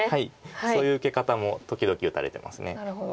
そういう受け方も時々打たれてます。